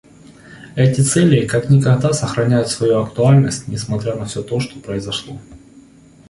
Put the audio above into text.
Эти цели как никогда сохраняют свою актуальность, несмотря на все то, что произошло.